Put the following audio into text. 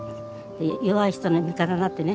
弱い人の味方になってね